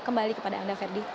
kembali kepada anda ferdy